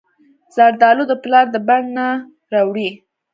زردالو د پلار د بڼ نه راوړي.